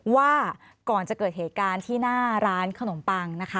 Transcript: ว่าก่อนจะเกิดเหตุการณ์ที่หน้าร้านขนมปังนะคะ